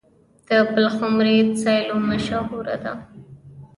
د پلخمري سیلو مشهوره ده.